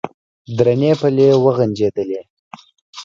درنې پلې وغنجېدې.